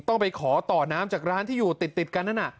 ต้องไปขอต่อน้ำจากร้านที่อยู่ติดกันนั่นน่ะ